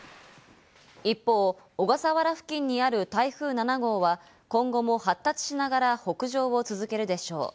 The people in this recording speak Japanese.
一方、小笠原付近にある台風７号は、今後も発達しながら北上を続けるでしょう。